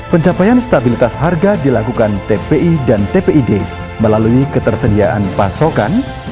pencapaian stabilitas harga dilakukan tpi dan tpid melalui ketersediaan pasokan